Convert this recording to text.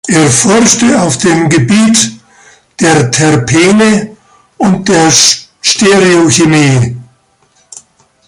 Er forschte auf dem Gebiet der Terpene und der Stereochemie.